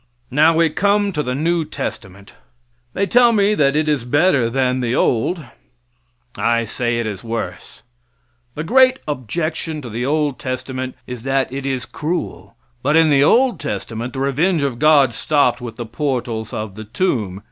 Now we come to the new testament. They tell me that is better than the old, I say it is worse. The great objection to the old testament is that it is cruel; but in the old testament the revenge of God stopped with the portals of the tomb.